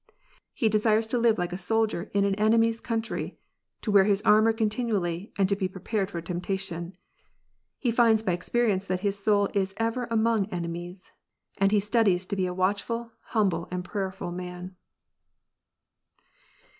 He desires to live like a soldier in an enemy s country, to wear his armour continually, and to be prepared for temptation. He hnds by experience that his soul is ever among enemies, and he studies to be a watchful, humble, prayerful man.